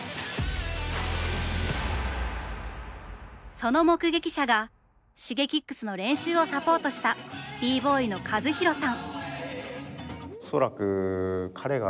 その目撃者がＳｈｉｇｅｋｉｘの練習をサポートしたＢ−ＢｏｙのＫＡＺＵＨＩＲＯさん。